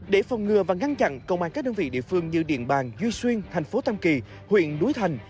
để phòng ngừa và ngăn chặn công an các đơn vị địa phương như điện bàn duy xuyên thành phố tam kỳ huyện đuối thành